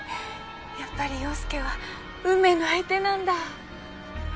やっぱり陽佑は運命の相手なんだぁ。